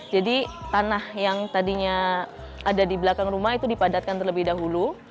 jadi tanah yang tadinya ada di belakang rumah itu dipadatkan terlebih dahulu